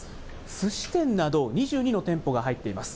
すし店など２２の店舗が入っています。